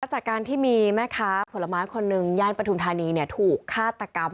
จากการที่มีแม่ค้าผลไม้คนหนึ่งย่านปฐุมธานีถูกฆาตกรรม